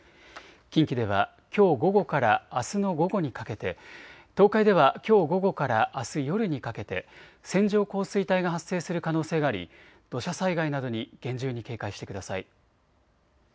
近畿では、きょう午後からあすの午後にかけて東海ではきょう午後からあす夜にかけて線状降水帯が発生する可能性があり土砂災害などに厳重に警戒してください。